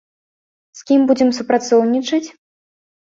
З кім будзем супрацоўнічаць?